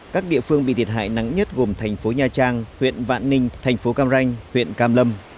các địa phương bị thiệt hại nặng nhất gồm thành phố nha trang huyện vạn ninh thành phố cam ranh huyện cam lâm